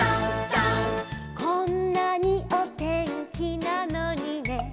「こんなにお天気なのにね」